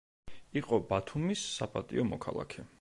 იყო ბათუმის საპატიო მოქალაქე.